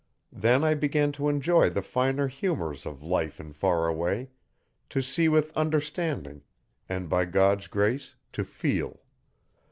Then I began to enjoy the finer humours of life in Faraway to see with understanding; and by God's grace to feel.